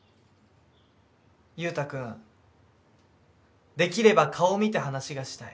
佑太くんできれば顔見て話がしたい。